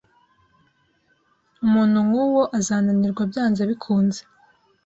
Umuntu nkuwo azananirwa byanze bikunze.